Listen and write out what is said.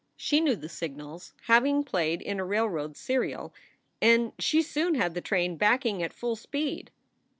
She knew the signals, having played in a railroad serial, and she soon had the train backing at full speed.